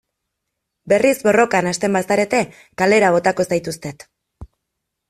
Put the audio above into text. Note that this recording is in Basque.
Berriz borrokan hasten bazarete kalera botako zaituztet.